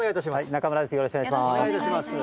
中村です、よろしくお願いします。